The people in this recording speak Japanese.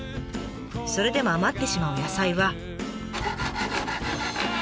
それでも余ってしまう野菜は。